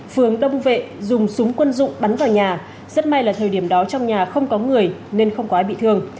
phường đông vệ dùng súng quân dụng bắn vào nhà rất may là thời điểm đó trong nhà không có người nên không quá bị thương